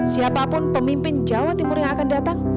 siapapun pemimpin jawa timur yang akan datang